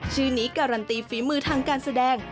ชื่อนี้การันตีฝีมือทางการแสดง